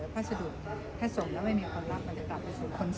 ภาษาดุแทบส่งแล้วไม่มีคนรับมันจะกลับไปสู่คนส่งอันนี้ก็ถึงว่า